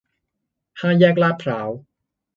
ห้าแยกลาดพร้าว